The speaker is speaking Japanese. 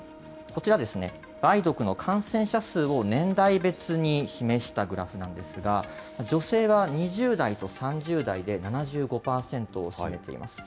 こちら、梅毒の感染者数を年代別に示したグラフなんですが、女性は２０代と３０代で７５％を占めています。